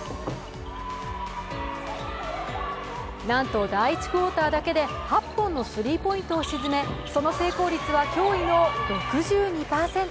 なんと第１クオーターだけで８本のスリーポイントを沈めその成功率は驚異の６２％。